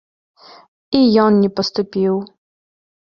І ён не паступіў.